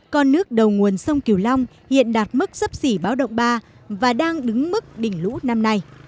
con nước đầu nguồn sông kiều long hiện đạt mức sấp xỉ báo động ba và đang đứng mức đỉnh lũ năm nay